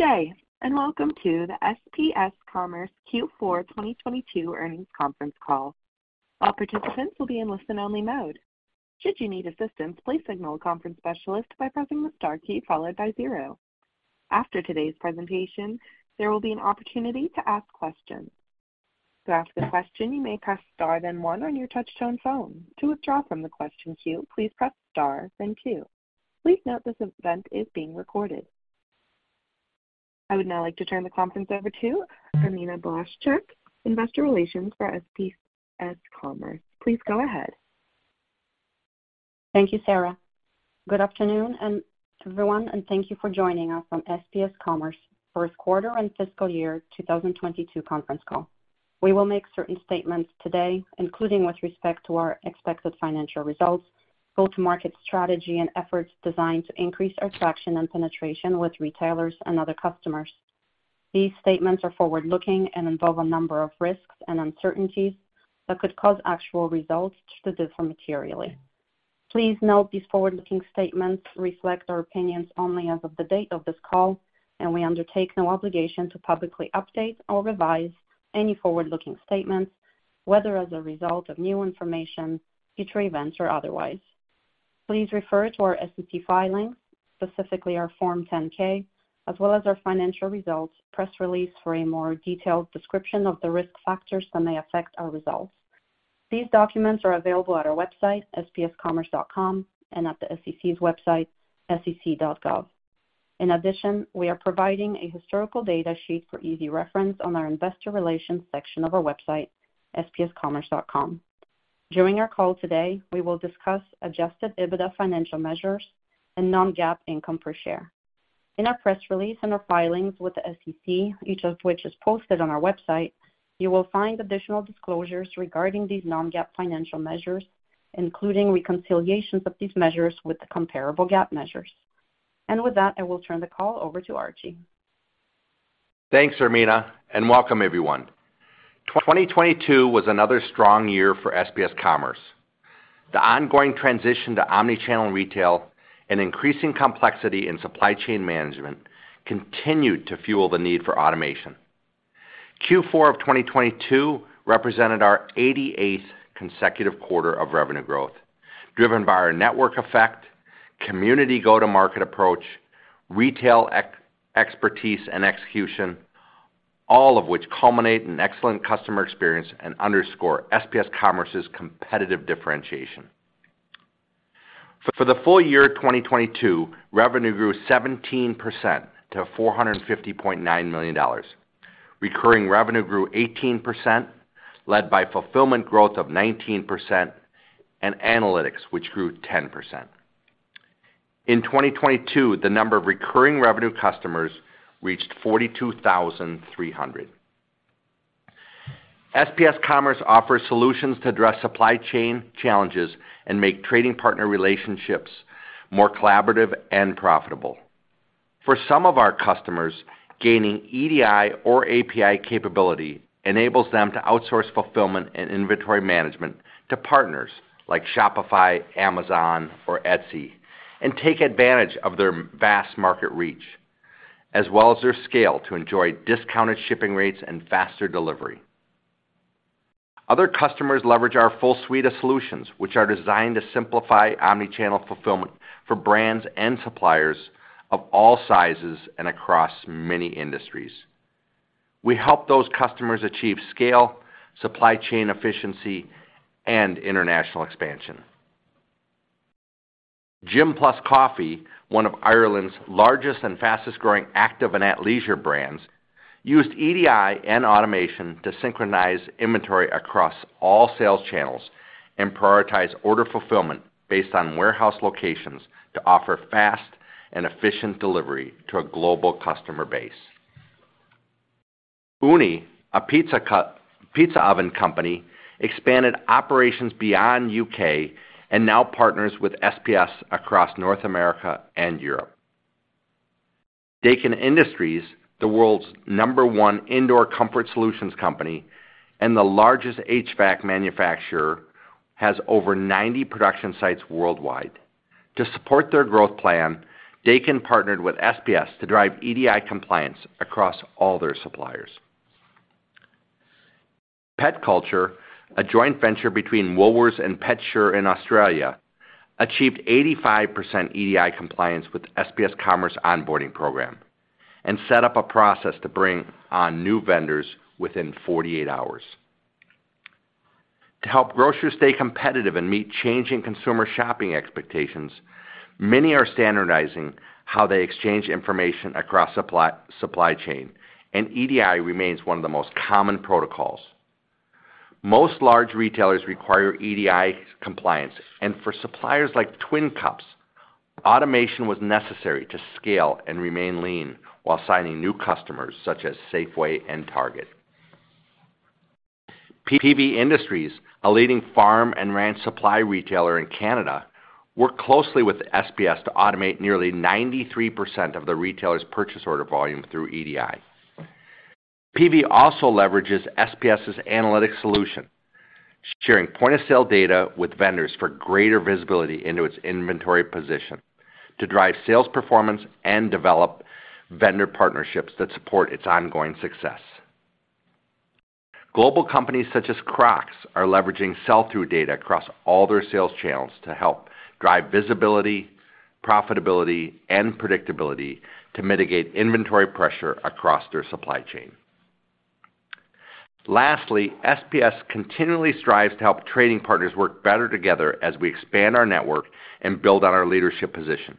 Good day, and welcome to the SPS Commerce Q4 2022 earnings conference call. All participants will be in listen-only mode. Should you need assistance, please signal a conference specialist by pressing the star key followed by zero. After today's presentation, there will be an opportunity to ask questions. To ask a question, you may press star then one on your touch-tone phone. To withdraw from the question queue, please press star then two. Please note this event is being recorded. I would now like to turn the conference over to Irmina Blaszczyk, Investor Relations for SPS Commerce. Please go ahead. Thank you, Sarah. Good afternoon and everyone, and thank you for joining us on SPS Commerce first quarter and fiscal year 2022 conference call. We will make certain statements today, including with respect to our expected financial results, go-to-market strategy, and efforts designed to increase our traction and penetration with retailers and other customers. These statements are forward-looking and involve a number of risks and uncertainties that could cause actual results to differ materially. Please note these forward-looking statements reflect our opinions only as of the date of this call, and we undertake no obligation to publicly update or revise any forward-looking statements, whether as a result of new information, future events, or otherwise. Please refer to our SEC filings, specifically our Form 10-K, as well as our financial results press release for a more detailed description of the risk factors that may affect our results. These documents are available at our website, spscommerce.com, and at the SEC's website, sec.gov. In addition, we are providing a historical data sheet for easy reference on our investor relations section of our website, spscommerce.com. During our call today, we will discuss adjusted EBITDA financial measures and non-GAAP income per share. In our press release and our filings with the SEC, each of which is posted on our website, you will find additional disclosures regarding these non-GAAP financial measures, including reconciliations of these measures with the comparable GAAP measures. With that, I will turn the call over to Archie. Thanks, Irmina. Welcome everyone. 2022 was another strong year for SPS Commerce. The ongoing transition to omnichannel retail and increasing complexity in supply chain management continued to fuel the need for automation. Q4 of 2022 represented our 88th consecutive quarter of revenue growth, driven by our network effect, community go-to-market approach, retail expertise and execution, all of which culminate in excellent customer experience and underscore SPS Commerce's competitive differentiation. For the full year 2022, revenue grew 17% to $450.9 million. Recurring revenue grew 18%, led by fulfillment growth of 19% and analytics, which grew 10%. In 2022, the number of recurring revenue customers reached 42,300. SPS Commerce offers solutions to address supply chain challenges and make trading partner relationships more collaborative and profitable. For some of our customers, gaining EDI or API capability enables them to outsource fulfillment and inventory management to partners like Shopify, Amazon, or Etsy, and take advantage of their vast market reach, as well as their scale to enjoy discounted shipping rates and faster delivery. Other customers leverage our full suite of solutions, which are designed to simplify omnichannel fulfillment for brands and suppliers of all sizes and across many industries. We help those customers achieve scale, supply chain efficiency, and international expansion. Gym+Coffee, one of Ireland's largest and fastest-growing active and athleisure brands, used EDI and automation to synchronize inventory across all sales channels and prioritize order fulfillment based on warehouse locations to offer fast and efficient delivery to a global customer base. Ooni, a pizza oven company, expanded operations beyond U.K. and now partners with SPS across North America and Europe. Daikin Industries, the world's number one indoor comfort solutions company and the largest HVAC manufacturer, has over 90 production sites worldwide. To support their growth plan, Daikin partnered with SPS to drive EDI compliance across all their suppliers. PetCulture, a joint venture between Woolworths and PetSure in Australia, achieved 85% EDI compliance with SPS Commerce onboarding program and set up a process to bring on new vendors within 48 hours. To help grocers stay competitive and meet changing consumer shopping expectations, many are standardizing how they exchange information across supply chain, and EDI remains one of the most common protocols. Most large retailers require EDI compliance, and for suppliers like Twin Cups, automation was necessary to scale and remain lean while signing new customers such as Safeway and Target. Peavey Industries, a leading farm and ranch supply retailer in Canada, worked closely with SPS to automate nearly 93% of the retailer's purchase order volume through EDI. Peavey also leverages SPS's analytics solution. Sharing point of sale data with vendors for greater visibility into its inventory position to drive sales performance and develop vendor partnerships that support its ongoing success. Global companies such as Crocs are leveraging sell-through data across all their sales channels to help drive visibility, profitability, and predictability to mitigate inventory pressure across their supply chain. Lastly, SPS continually strives to help trading partners work better together as we expand our network and build on our leadership position.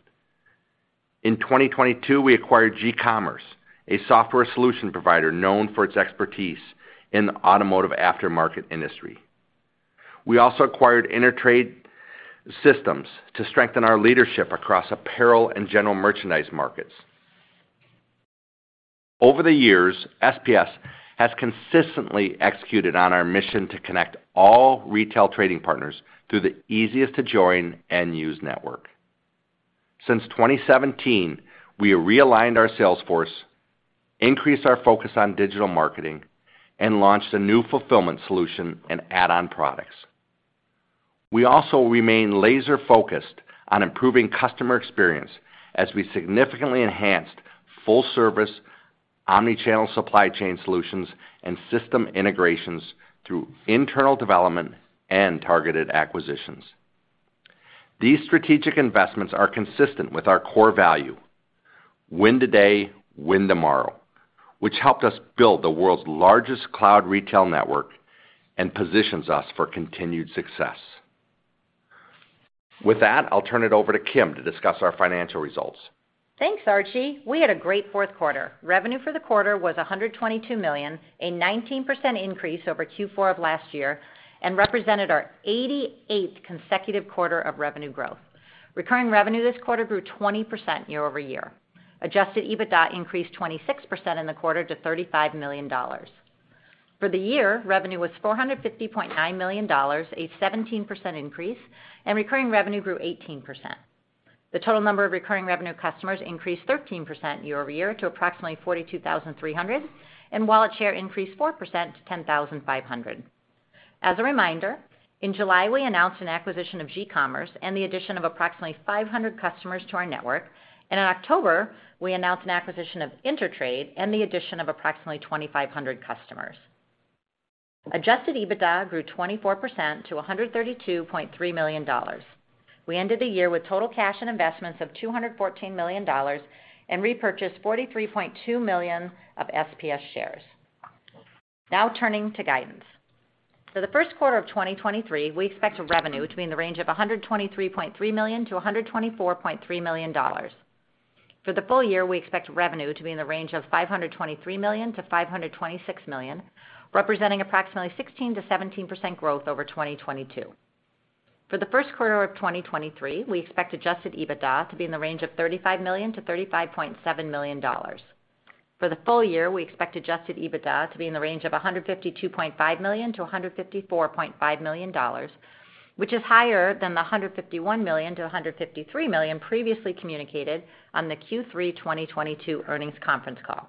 In 2022, we acquired gCommerce, a software solution provider known for its expertise in the automotive aftermarket industry. We also acquired InterTrade Systems to strengthen our leadership across apparel and general merchandise markets. Over the years, SPS has consistently executed on our mission to connect all retail trading partners through the easiest to join and use network. Since 2017, we have realigned our sales force, increased our focus on digital marketing, and launched a new fulfillment solution and add-on products. We also remain laser-focused on improving customer experience as we significantly enhanced full-service, omnichannel supply chain solutions and system integrations through internal development and targeted acquisitions. These strategic investments are consistent with our core value, win today, win tomorrow, which helped us build the world's largest cloud retail network and positions us for continued success. With that, I'll turn it over to Kim to discuss our financial results. Thanks, Archie. We had a great fourth quarter. Revenue for the quarter was $122 million, a 19% increase over Q4 of last year and represented our 88th consecutive quarter of revenue growth. Recurring revenue this quarter grew 20% year-over-year. adjusted EBITDA increased 26% in the quarter to $35 million. For the year, revenue was $450.9 million, a 17% increase, and recurring revenue grew 18%. The total number of recurring revenue customers increased 13% year-over-year to approximately 42,300, and wallet share increased 4% to 10,500. As a reminder, in July, we announced an acquisition of GCommerce and the addition of approximately 500 customers to our network. In October, we announced an acquisition of InterTrade and the addition of approximately 2,500 customers. adjusted EBITDA grew 24% to $132.3 million. We ended the year with total cash and investments of $214 million and repurchased $43.2 million of SPS shares. Now turning to guidance. For the first quarter of 2023, we expect revenue to be in the range of $123.3 million-$124.3 million. For the full year, we expect revenue to be in the range of $523 million-$526 million, representing approximately 16%-17% growth over 2022. For the first quarter of 2023, we expect adjusted EBITDA to be in the range of $35 million-$35.7 million. For the full year, we expect adjusted EBITDA to be in the range of $152.5 million-$154.5 million, which is higher than the $151 million-$153 million previously communicated on the Q3 2022 earnings conference call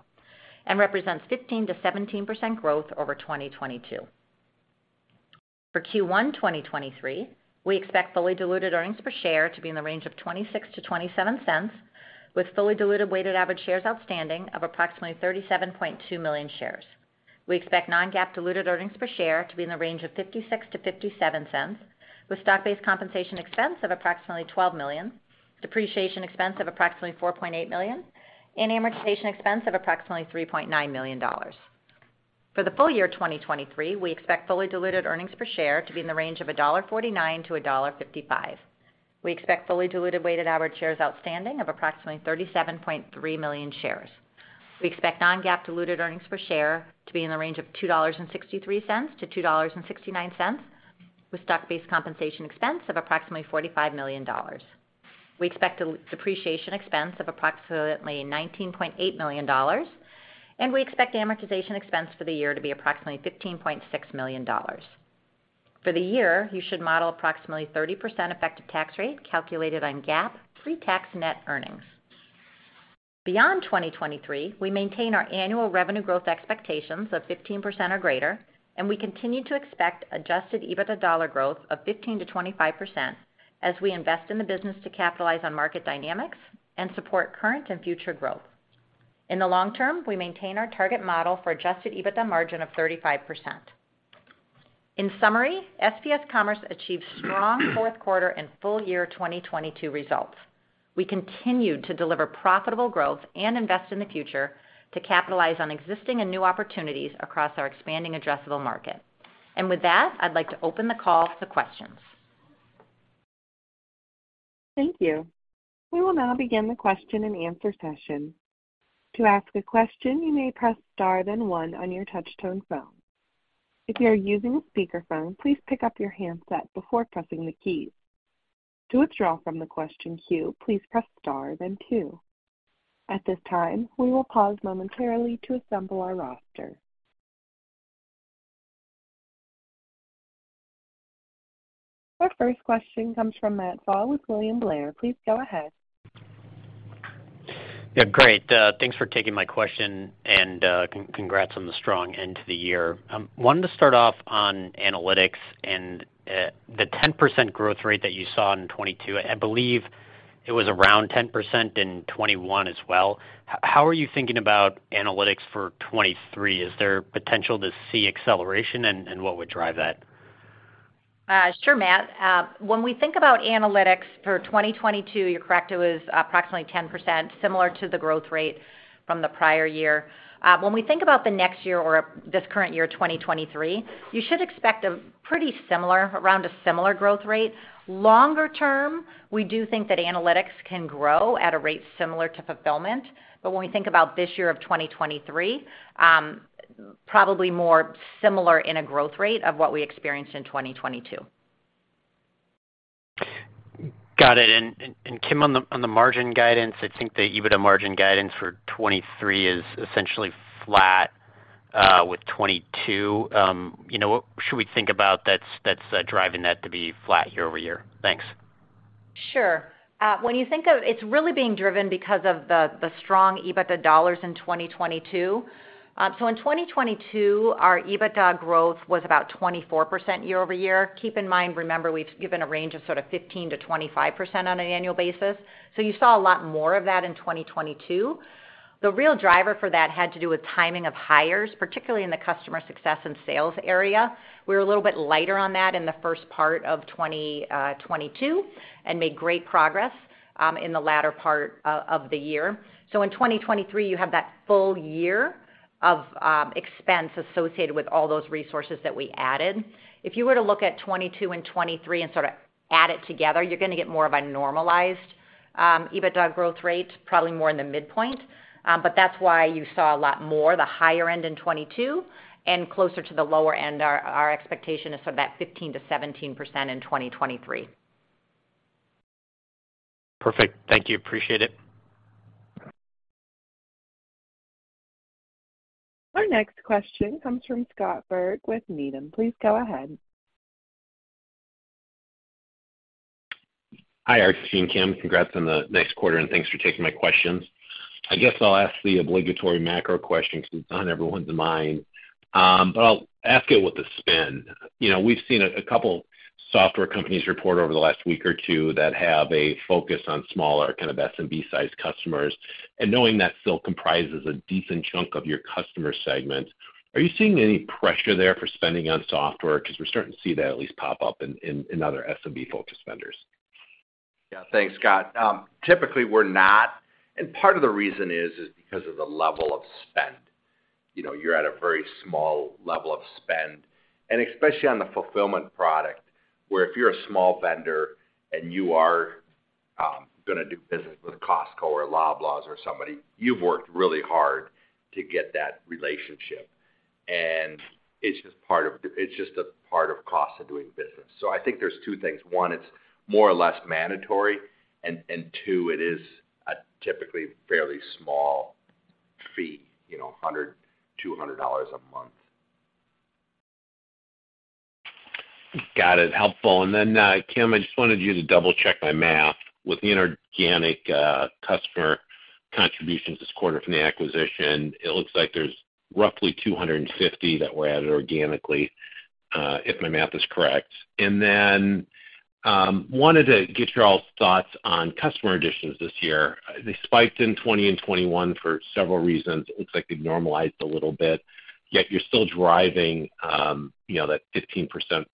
and represents 15%-17% growth over 2022. For Q1 2023, we expect fully diluted earnings per share to be in the range of $0.26-$0.27, with fully diluted weighted average shares outstanding of approximately 37.2 million shares. We expect non-GAAP diluted earnings per share to be in the range of $0.56-$0.57, with stock-based compensation expense of approximately $12 million, depreciation expense of approximately $4.8 million, and amortization expense of approximately $3.9 million. For the full year 2023, we expect fully diluted earnings per share to be in the range of $1.49-$1.55. We expect fully diluted weighted average shares outstanding of approximately 37.3 million shares. We expect non-GAAP diluted earnings per share to be in the range of $2.63-$2.69, with stock-based compensation expense of approximately $45 million. We expect depreciation expense of approximately $19.8 million, and we expect amortization expense for the year to be approximately $15.6 million. For the year, you should model approximately 30% effective tax rate calculated on GAAP pre-tax net earnings. Beyond 2023, we maintain our annual revenue growth expectations of 15% or greater, and we continue to expect adjusted EBITDA dollar growth of 15%-25% as we invest in the business to capitalize on market dynamics and support current and future growth. In the long term, we maintain our target model for adjusted EBITDA margin of 35%. In summary, SPS Commerce achieved strong fourth quarter and full year 2022 results. We continued to deliver profitable growth and invest in the future to capitalize on existing and new opportunities across our expanding addressable market. With that, I'd like to open the call to questions. Thank you. We will now begin the question and answer session. To ask a question, you may press star then one on your touch tone phone. If you are using a speakerphone, please pick up your handset before pressing the keys. To withdraw from the question queue, please press star then two. At this time, we will pause momentarily to assemble our roster. Our first question comes from Matt Pfau with William Blair. Please go ahead Yeah, great. Thanks for taking my question, congrats on the strong end to the year. Wanted to start off on analytics and the 10% growth rate that you saw in 2022. I believe it was around 10% in 2021 as well. How are you thinking about analytics for 2023? Is there potential to see acceleration, and what would drive that? Sure, Matt. When we think about analytics for 2022, you're correct. It was approximately 10%, similar to the growth rate from the prior year. When we think about the next year or this current year, 2023, you should expect a pretty similar, around a similar growth rate. Longer term, we do think that analytics can grow at a rate similar to fulfillment. When we think about this year of 2023, probably more similar in a growth rate of what we experienced in 2022. Got it. Kim, on the margin guidance, I think the EBITDA margin guidance for 2023 is essentially flat with 2022. You know, what should we think about that's driving that to be flat year-over-year? Thanks. Sure. It's really being driven because of the strong EBITDA dollars in 2022. In 2022, our EBITDA growth was about 24% year-over-year. Keep in mind, remember, we've given a range of sort of 15%-25% on an annual basis. You saw a lot more of that in 2022. The real driver for that had to do with timing of hires, particularly in the customer success and sales area. We were a little bit lighter on that in the first part of 2022 and made great progress in the latter part of the year. In 2023, you have that full year of expense associated with all those resources that we added. If you were to look at 2022 and 2023 and sort of add it together, you're gonna get more of a normalized EBITDA growth rate, probably more in the midpoint. That's why you saw a lot more the higher end in 2022 and closer to the lower end, our expectation is for that 15%-17% in 2023. Perfect. Thank you. Appreciate it. Our next question comes from Scott Berg with Needham. Please go ahead. Hi, Archie and Kim. Congrats on the nice quarter. Thanks for taking my questions. I guess I'll ask the obligatory macro question since it's on everyone's mind. I'll ask it with a spin. You know, we've seen a couple software companies report over the last week or two that have a focus on smaller kind of SMB-sized customers. Knowing that still comprises a decent chunk of your customer segment, are you seeing any pressure there for spending on software? Because we're starting to see that at least pop up in other SMB-focused vendors. Yeah. Thanks, Scott. Typically we're not, and part of the reason is because of the level of spend. You know, you're at a very small level of spend, and especially on the fulfillment product, where if you're a small vendor and you are, gonna do business with Costco or Loblaws or somebody, you've worked really hard to get that relationship. It's just a part of cost of doing business. I think there's two things. One, it's more or less mandatory. And two, it is a typically fairly small fee, you know, $100, $200 a month. Got it. Helpful. Kim, I just wanted you to double-check my math with the inorganic customer contributions this quarter from the acquisition. It looks like there's roughly 250 that were added organically, if my math is correct. Wanted to get your all's thoughts on customer additions this year. They spiked in 2020 and 2021 for several reasons. It looks like they've normalized a little bit, yet you're still driving, you know, that 15%+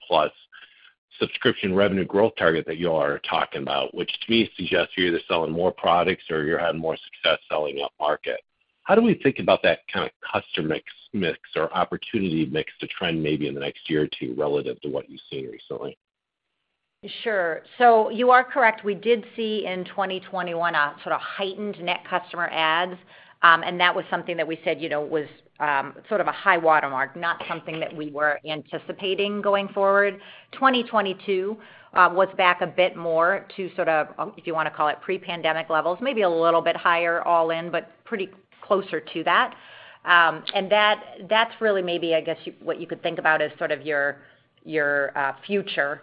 subscription revenue growth target that you all are talking about, which to me suggests you're either selling more products or you're having more success selling upmarket. How do we think about that kind of customer mix or opportunity mix to trend maybe in the next year or two relative to what you've seen recently? Sure. You are correct. We did see in 2021 a sort of heightened net customer adds, and that was something that we said, you know, was sort of a high watermark, not something that we were anticipating going forward. 2022 was back a bit more to sort of, if you want to call it pre-pandemic levels, maybe a little bit higher all in, but pretty closer to that. That, that's really maybe, I guess what you could think about as sort of your future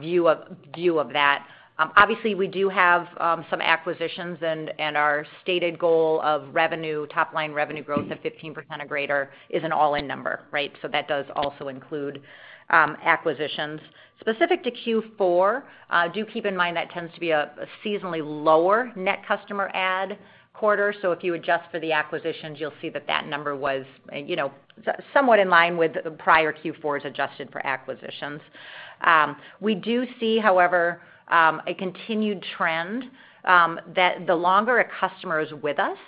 view of that. Obviously, we do have some acquisitions and our stated goal of revenue, top-line revenue growth of 15% or greater is an all-in number, right? That does also include acquisitions. Specific to Q4, do keep in mind that tends to be a seasonally lower net customer add quarter. If you adjust for the acquisitions, you'll see that that number was, you know, somewhat in line with the prior Q4s adjusted for acquisitions. We do see, however, a continued trend that the longer a customer is with us,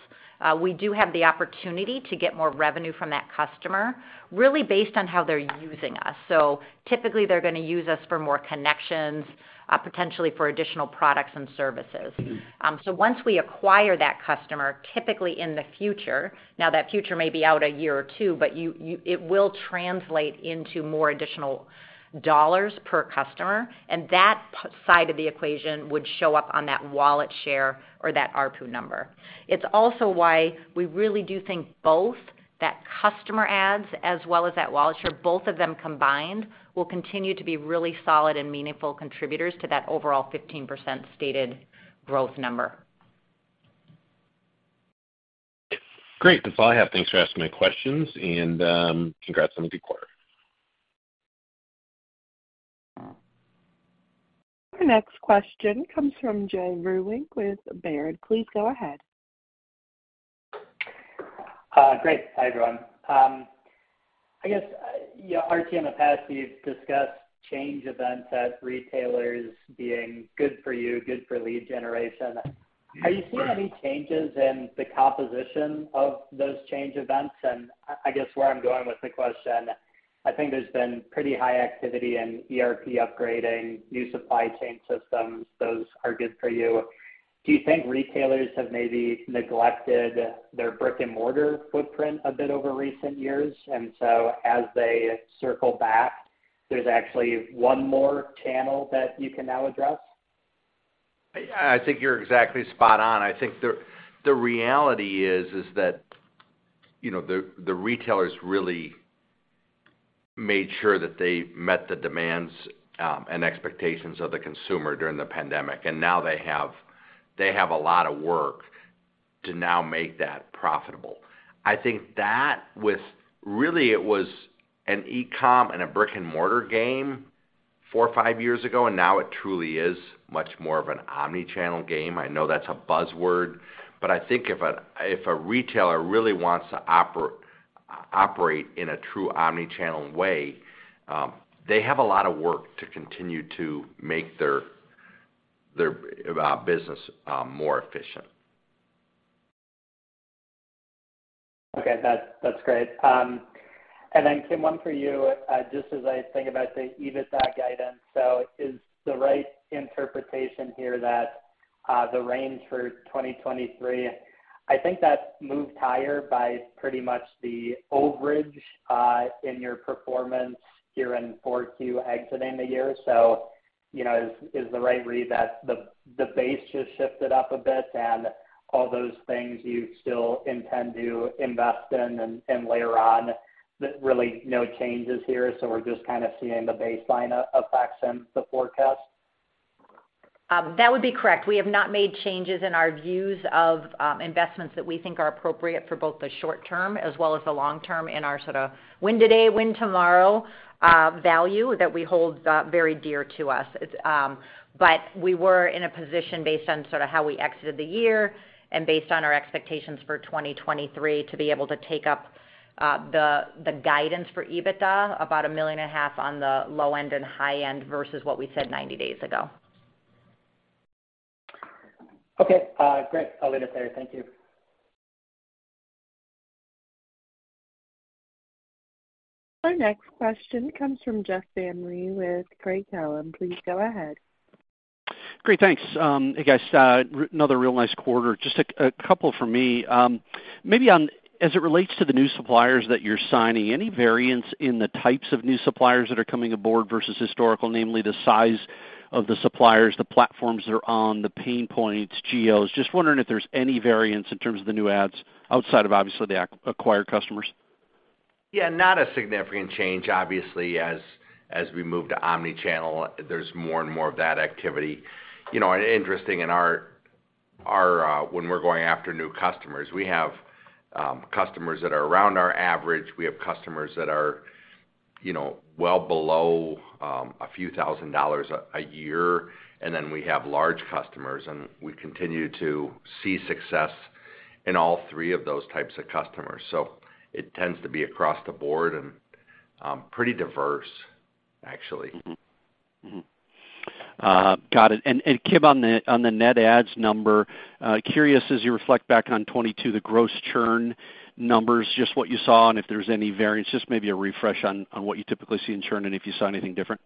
we do have the opportunity to get more revenue from that customer really based on how they're using us. Typically, they're gonna use us for more connections, potentially for additional products and services. Once we acquire that customer, typically in the future, now that future may be out a year or two, but it will translate into more additional dollars per customer, and that side of the equation would show up on that wallet share or that ARPU number. It's also why we really do think both that customer adds as well as that wallet share, both of them combined, will continue to be really solid and meaningful contributors to that overall 15% stated growth number. Great. That's all I have. Thanks for asking my questions, and congrats on a good quarter. The next question comes from Joe Vruwink with Baird. Please go ahead. Great. Hi, everyone. I guess, you know, RTM have had you discuss change events at retailers being good for you, good for lead generation. Are you seeing any changes in the composition of those change events? I guess where I'm going with the question, I think there's been pretty high activity in ERP upgrading, new supply chain systems. Those are good for you. Do you think retailers have maybe neglected their brick-and-mortar footprint a bit over recent years, and so as they circle back, there's actually one more channel that you can now address? I think you're exactly spot on. I think the reality is that, you know, the retailers really made sure that they met the demands and expectations of the consumer during the pandemic, and now they have a lot of work to now make that profitable. I think that with. Really, it was an e-com and a brick-and-mortar game four or five years ago, and now it truly is much more of an omnichannel game. I know that's a buzzword, but I think if a retailer really wants to operate in a true omnichannel way, they have a lot of work to continue to make their business more efficient. Okay. That's, that's great. Kim, one for you, just as I think about the EBITDA guidance. Is the right interpretation here that the range for 2023, I think that's moved higher by pretty much the overage, in your performance here in 4Q exiting the year. You know, is the right read that the base just shifted up a bit and all those things you still intend to invest in and layer on that really no changes here, so we're just kind of seeing the baseline e-effects in the forecast? That would be correct. We have not made changes in our views of investments that we think are appropriate for both the short term as well as the long term in our sort of win today, win tomorrow, value that we hold very dear to us. It's. We were in a position based on sort of how we exited the year and based on our expectations for 2023 to be able to take up the guidance for EBITDA about a million and a half on the low end and high end versus what we said 90 days ago. Okay. great. I'll leave it there. Thank you. Our next question comes from Jeff Van Rhee with Craig-Hallum. Please go ahead. Great. Thanks. Hey, guys, another real nice quarter. Just a couple from me. Maybe on as it relates to the new suppliers that you're signing, any variance in the types of new suppliers that are coming aboard versus historical, namely the size of the suppliers, the platforms they're on, the pain points, geos? Just wondering if there's any variance in terms of the new adds outside of obviously the acquired customers. Not a significant change. Obviously, as we move to omnichannel, there's more and more of that activity. You know, interesting in our, when we're going after new customers, we have customers that are around our average. We have customers that are, you know, well below, a few thousand dollars a year, and then we have large customers, and we continue to see success in all three of those types of customers. It tends to be across the board and pretty diverse actually. Mm-hmm. Mm-hmm. Got it. Kim, on the net adds number, curious as you reflect back on 2022, the gross churn numbers, just what you saw and if there's any variance? Just maybe a refresh on what you typically see in churn and if you saw anything different?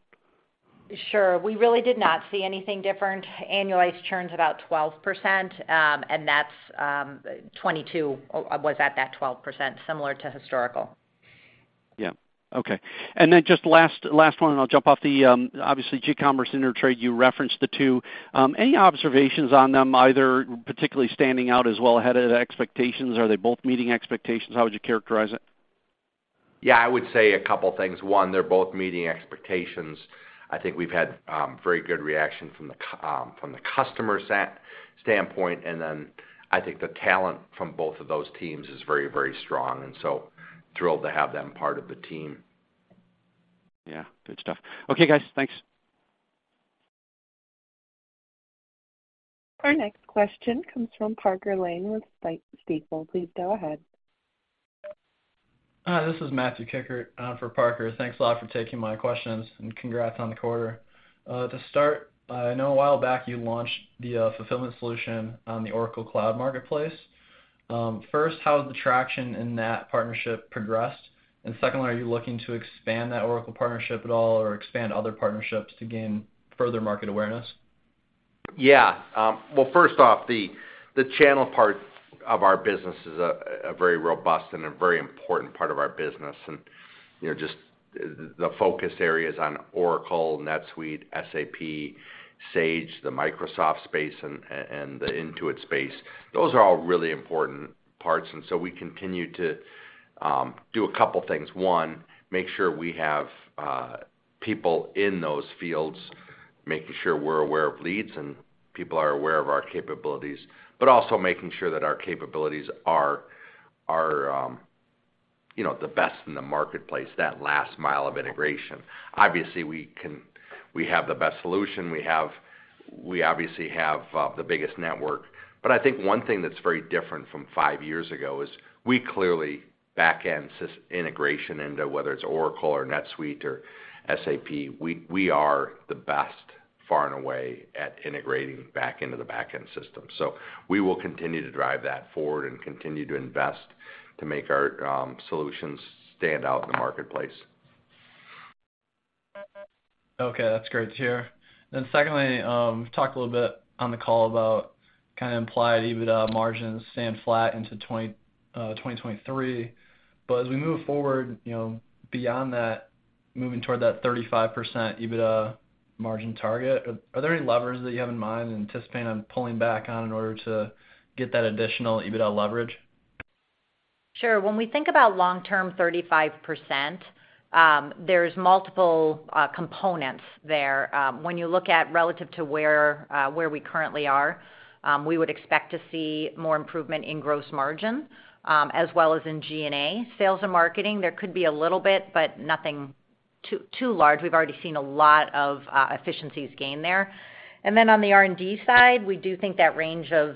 Sure. We really did not see anything different. Annualized churn's about 12%, and that's, 2022 was at that 12%, similar to historical. Yeah. Okay. Then just last one, and I'll jump off the, obviously, GCommerce, InterTrade, you referenced the two. Any observations on them either particularly standing out as well ahead of the expectations? Are they both meeting expectations? How would you characterize it? I would say a couple things. One, they're both meeting expectations. I think we've had very good reaction from the customer set standpoint, I think the talent from both of those teams is very strong, thrilled to have them part of the team. Yeah. Good stuff. Okay, guys. Thanks. Our next question comes from Parker Lane with Stifel. Please go ahead. This is Matthew Kikkert for Parker. Thanks a lot for taking my questions, and congrats on the quarter. To start, I know a while back you launched the fulfillment solution on the Oracle Cloud Marketplace. First, how has the traction in that partnership progressed? Secondly, are you looking to expand that Oracle partnership at all or expand other partnerships to gain further market awareness? Well, first off, the channel part of our business is a very robust and a very important part of our business. You know, just the focus areas on Oracle, NetSuite, SAP, Sage, the Microsoft space and the Intuit space, those are all really important parts, so we continue to do a couple things. One, make sure we have people in those fields making sure we're aware of leads and people are aware of our capabilities, but also making sure that our capabilities are, you know, the best in the marketplace, that last mile of integration. Obviously, we have the best solution. We obviously have the biggest network. I think one thing that's very different from five years ago is we clearly backend system integration into whether it's Oracle or NetSuite or SAP, we are the best far and away at integrating back into the backend system. We will continue to drive that forward and continue to invest to make our solutions stand out in the marketplace. Okay. That's great to hear. Secondly, talked a little bit on the call about kinda implied EBITDA margins staying flat into 2023. As we move forward, you know, beyond that, moving toward that 35% EBITDA margin target, are there any levers that you have in mind anticipating on pulling back on in order to get that additional EBITDA leverage? Sure. When we think about long-term 35%, there's multiple components there. When you look at relative to where we currently are, we would expect to see more improvement in gross margin, as well as in G&A. Sales and marketing, there could be a little bit, but nothing too large. We've already seen a lot of efficiencies gained there. On the R&D side, we do think that range of,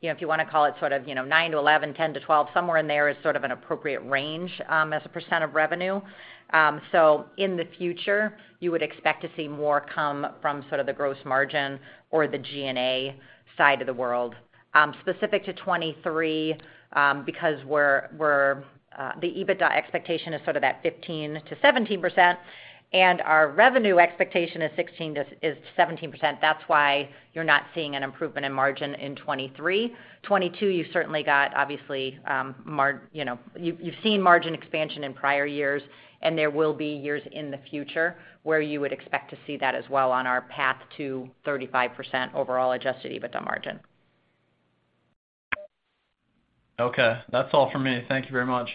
you know, if you wanna call it sort of, you know, 9-11, 10-12, somewhere in there is sort of an appropriate range as a % of revenue. In the future, you would expect to see more come from sort of the gross margin or the G&A side of the world. Specific to 2023, because we're the EBITDA expectation is sort of that 15%-17%, and our revenue expectation is 16%-17%, that's why you're not seeing an improvement in margin in 2023. 2022, you've certainly got obviously, you know, you've seen margin expansion in prior years, and there will be years in the future where you would expect to see that as well on our path to 35% overall adjusted EBITDA margin. Okay. That's all for me. Thank you very much.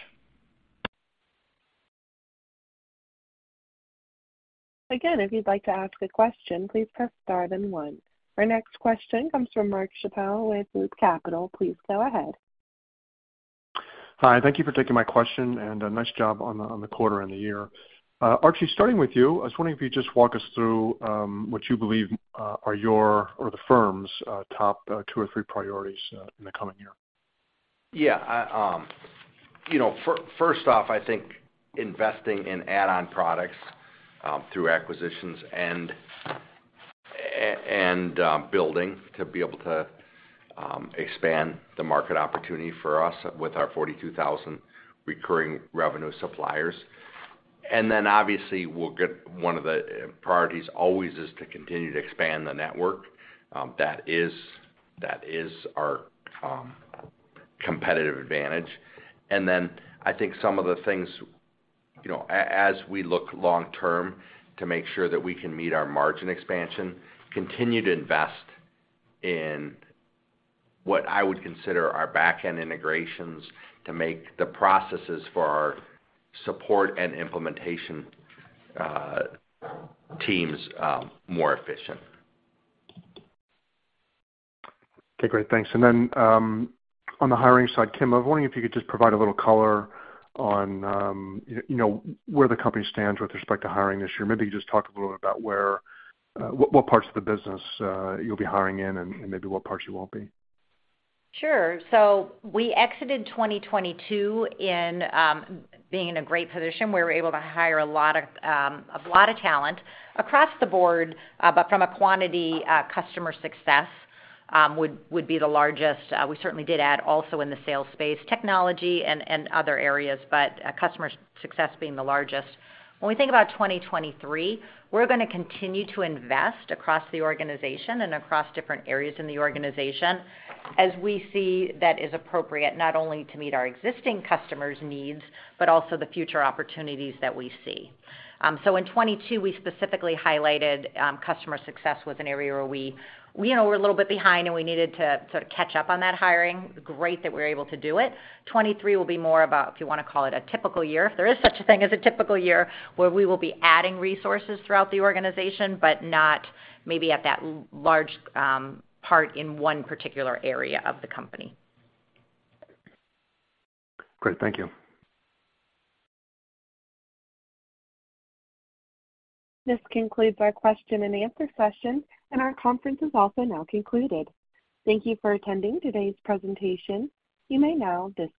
Again, if you'd like to ask a question, please press star then one. Our next question comes from Mark Schappel with Loop Capital. Please go ahead. Hi, thank you for taking my question, and nice job on the, on the quarter and the year. Archie, starting with you, I was wondering if you'd just walk us through, what you believe, are your or the firm's, top, two or three priorities, in the coming year. Yeah. I, you know, first off, I think investing in add-on products through acquisitions and building to be able to expand the market opportunity for us with our 42,000 recurring revenue suppliers. Obviously, we'll get one of the priorities always is to continue to expand the network. That is, that is our competitive advantage. I think some of the things, you know, as we look long term to make sure that we can meet our margin expansion, continue to invest in what I would consider our backend integrations to make the processes for our support and implementation teams more efficient. Okay. Great. Thanks. On the hiring side, Kim, I was wondering if you could just provide a little color on, you know, where the company stands with respect to hiring this year. Maybe just talk a little bit about where what parts of the business you'll be hiring in and maybe what parts you won't be? Sure. We exited 2022 in being in a great position. We were able to hire a lot of talent across the board, but from a quantity, customer success would be the largest. We certainly did add also in the sales space, technology and other areas, but customer success being the largest. When we think about 2023, we're gonna continue to invest across the organization and across different areas in the organization as we see that is appropriate not only to meet our existing customers' needs but also the future opportunities that we see. In 2022, we specifically highlighted, customer success was an area where we know we're a little bit behind, and we needed to sort of catch up on that hiring. Great that we were able to do it. 23 will be more about, if you wanna call it a typical year, if there is such a thing as a typical year, where we will be adding resources throughout the organization but not maybe at that large part in one particular area of the company. Great. Thank you. This concludes our question and answer session, and our conference is also now concluded. Thank you for attending today's presentation. You may now disconnect.